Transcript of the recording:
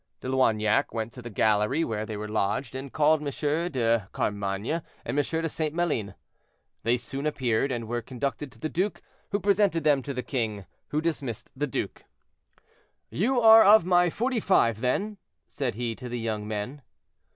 De Loignac went to the gallery where they were lodged, and called M. de Carmainges and M. de St. Maline. They soon appeared, and were conducted to the duke, who presented them to the king, who dismissed the duke. "You are of my Forty five, then?" said he to the young men.